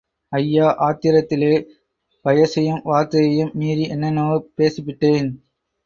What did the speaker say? ஐயா, ஆத்திரத்திலே வயசையும் வார்த்தையையும் மீறி என்னென்னமோ பேசிப்பிட்டேன்.